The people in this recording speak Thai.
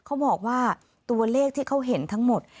เขาบอกว่าตัวเลขที่เขาเห็นทั้งหมด